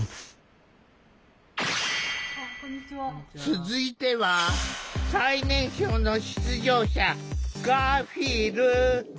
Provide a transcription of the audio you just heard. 続いては最年少の出場者ガーフィール。